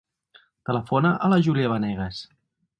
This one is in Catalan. Telefona a la Júlia Venegas.